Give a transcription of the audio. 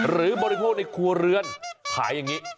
บริโภคในครัวเรือนขายอย่างนี้